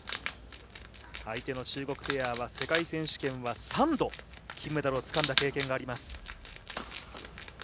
相手の中国ペアは世界選手権は３度金メダルをつかんだ経験があります。